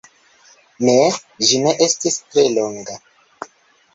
Ne, ĝi ne estis tre longa.